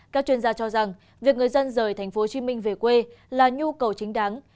các chuyên gia cho rằng việc người dân rời tp hcm về quê là nhu cầu chính đáng